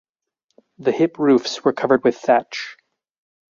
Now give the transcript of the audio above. The hip roofs were covered with thatch.